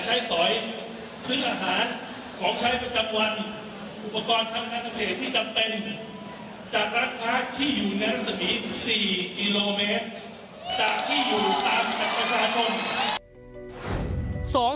จากที่อยู่ตามนักประชาชน